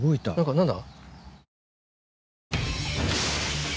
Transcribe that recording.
何だ？